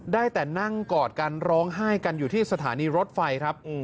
ได้แต่นั่งกอดกันร้องไห้กันอยู่ที่สถานีรถไฟครับ